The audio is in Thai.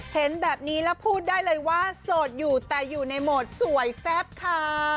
เห็นแบบนี้แล้วพูดได้เลยว่าโสดอยู่แต่อยู่ในโหมดสวยแซ่บค่ะ